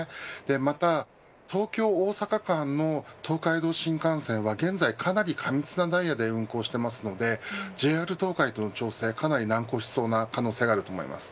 また東京、大阪間の東海道新幹線は現在かなり過密なダイヤで運行しているのでＪＲ東海との調整が、かなり難航する可能性があります。